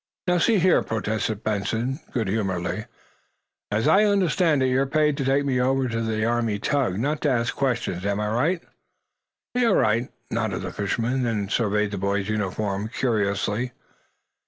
"Now, see here," protested Benson, good humoredly, "as I understand it, you're paid to take me over to the Army tug not to ask questions. Am I right?" "You're right," nodded the fisherman, then surveyed the boy's uniform curiously.